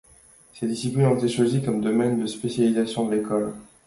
Ces disciplines ont été choisies comme domaine de spécialisation de l'école.